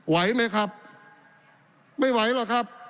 ไหวไหมครับไม่ไหวหรอกครับ